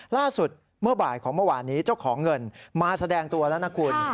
ล่าสุดเมื่อบ่ายของเมื่อวานนี้เจ้าของเงินมาแสดงตัวแล้วนะคุณ